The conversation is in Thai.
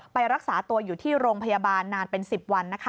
ไปรักษาตัวอยู่ที่โรงพยาบาลนานเป็น๑๐วัน